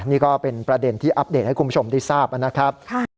นี่ก็เป็นประเด็นที่อัปเดตให้คุณผู้ชมได้ทราบนะครับ